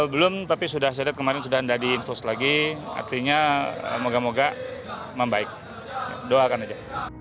belum tapi sudah saya lihat kemarin sudah tidak diinfus lagi artinya moga moga membaik doakan aja